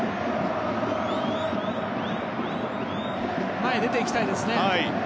前、出て行きたいですね。